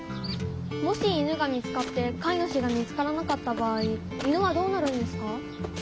もし犬が見つかってかいぬしが見つからなかった場合犬はどうなるんですか？